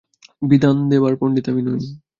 বিধান দেবার পণ্ডিত আমি নই।